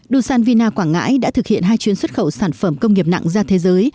đồ sàn vina quảng ngãi đã thực hiện hai chuyến xuất khẩu sản phẩm công nghiệp nặng ra thế giới